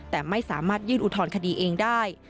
แต่ไม่สามารถยื่นอุทธรณคดีเองได้